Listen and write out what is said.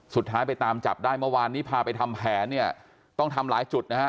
สุดท้ายไปตามจับได้เมื่อวานนี้พาไปทำแผนเนี่ยต้องทำหลายจุดนะฮะ